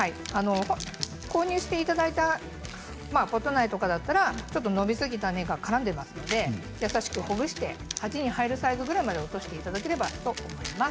購入していただいたポット苗だったらちょっと伸びすぎた根が絡んでいますから優しくほぐして鉢に入るサイズまで落としていただければと思います。